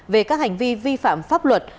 về các hành vi vi phạm pháp luật